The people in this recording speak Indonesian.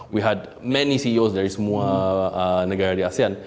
we had many ceo dari semua negara di asean